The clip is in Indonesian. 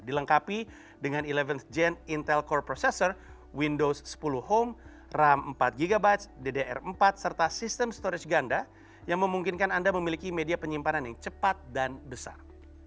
dilengkapi dengan sebelas gen intel core processor windows sepuluh home ram empat gb ddr empat serta sistem storage ganda yang memungkinkan anda memiliki media penyimpanan yang cepat dan besar